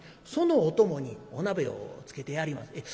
そのお供にお鍋をつけてやります。